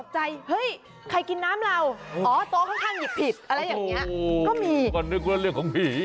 จะมี